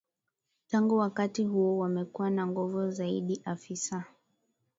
Tangu wakati huo wamekuwa na nguvu zaidi afisa